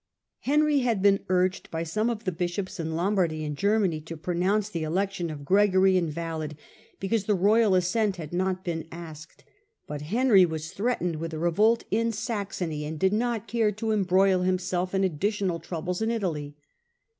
Henry had been urged by some of the bishops in Lombardy and Germany to pronounce the election of Gregory Gregory invalid, because the royal assent had 5J^^*®* not been asked; but Henry was threatened 1078 ^\^ a revolt in Saxony, and did not care to embroil himself in additional troubles in Italy.